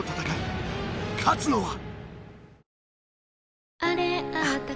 勝つのは！？